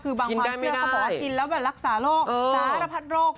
คือบางความเชื่อเขาบอกว่ากินแล้วแบบรักษาโรคสารพัดโรค